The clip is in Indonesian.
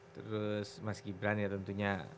terus mas gibran ya tentunya